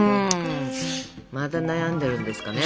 また悩んでるんですかね。